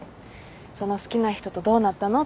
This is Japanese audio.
その好きな人とどうなったの？